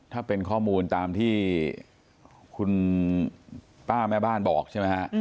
ถ้าเป็นข้อมูลตามที่คุณป้าแม่บ้านบอกใช่ไหมฮะ